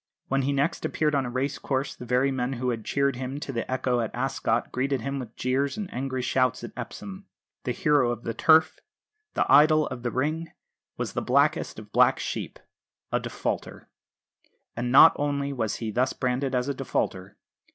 When he next appeared on a race course the very men who had cheered him to the echo at Ascot greeted him with jeers and angry shouts at Epsom. The hero of the Turf, the idol of the Ring, was that blackest of black sheep, a defaulter! And not only was he thus branded as a defaulter.